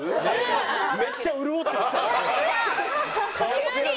急に。